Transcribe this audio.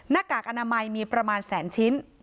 กากอนามัยมีประมาณแสนชิ้น